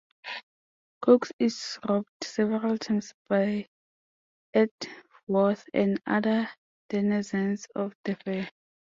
Cokes is robbed several times by Edgeworth and other denizens of the fair.